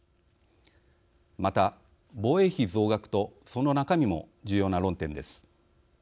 また、防衛費増額とその中身も重要な論点です。